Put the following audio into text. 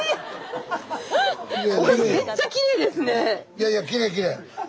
いやいやきれいきれい。